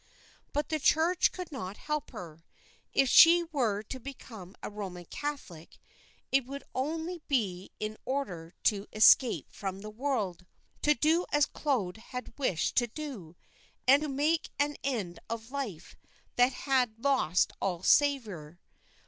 But the Church could not help her. If she were to become a Roman Catholic it would only be in order to escape from the world to do as Claude had wished to do, and make an end of a life that had lost all savour.